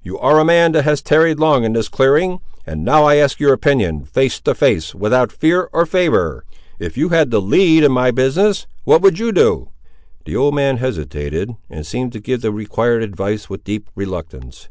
You ar' a man that has tarried long in this clearing, and now I ask your opinion, face to face, without fear or favour, if you had the lead in my business, what would you do?" The old man hesitated, and seemed to give the required advice with deep reluctance.